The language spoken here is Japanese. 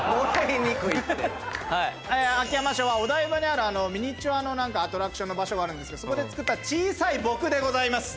秋山賞はお台場にあるミニチュアのアトラクションの場所があるんですけどそこで作った小さい僕でございます！